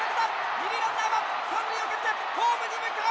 ２塁ランナーは３塁を蹴ってホームへ向かう！